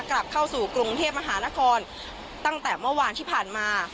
กลับเข้าสู่กรุงเทพมหานครตั้งแต่เมื่อวานที่ผ่านมา